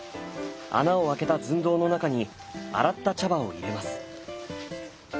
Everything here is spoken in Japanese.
穴を開けたずんどうの中に洗った茶葉を入れます。